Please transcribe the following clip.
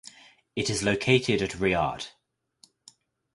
It is located at Riyadh.